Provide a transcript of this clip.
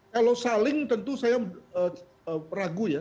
kalau saling tentu saya ragu ya